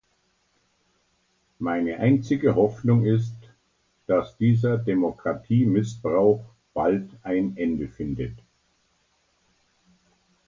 Meine einzige Hoffnung ist, dass dieser Demokratiemissbrauch bald ein Ende findet.